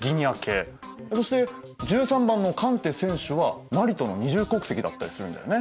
そして１３番のカンテ選手はマリとの二重国籍だったりするんだよね。